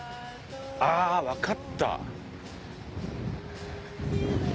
ああわかった。